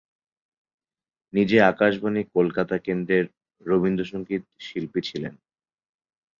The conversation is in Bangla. নিজে আকাশবাণী কলকাতা কেন্দ্রের রবীন্দ্রসঙ্গীত শিল্পী ছিলেন।